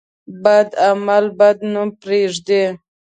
بد عمل بد نوم پرېږدي.